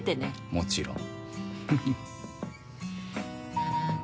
もちろん。